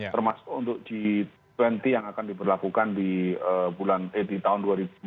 termasuk untuk g dua puluh yang akan diberlakukan di tahun dua ribu dua puluh